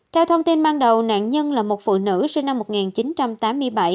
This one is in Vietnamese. theo thông tin ban đầu nạn nhân là một phụ nữ sinh năm một nghìn chín trăm tám mươi bảy